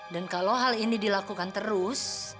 dan kalau hal ini dilakukan terus